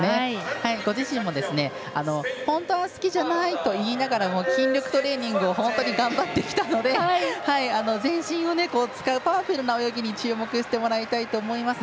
ご自身も本当は好きじゃないと言いながらも筋力トレーニングを本当に頑張ってきたので全身を使うパワフルな泳ぎに注目してもらいたいと思います。